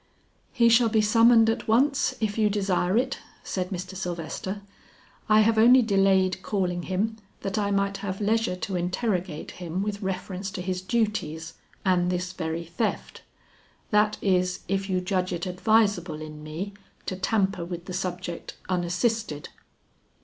"He shall be summoned at once, if you desire it," said Mr. Sylvester, "I have only delayed calling him that I might have leisure to interrogate him with reference to his duties, and this very theft. That is if you judge it advisable in me to tamper with the subject unassisted?"